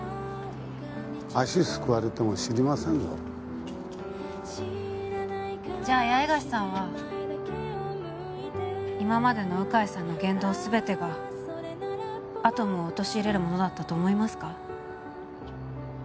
足すくわれても知りませんぞじゃあ八重樫さんは今までの鵜飼さんの言動すべてがアトムを陥れるものだったと思いますか？